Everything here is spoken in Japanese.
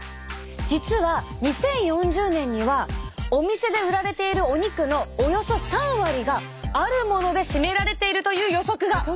実は２０４０年にはお店で売られているお肉のおよそ３割があるもので占められているという予測が！